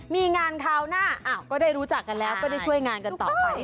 มีงานคราวหน้าก็ได้รู้จักกันแล้วก็ได้ช่วยงานกันต่อไป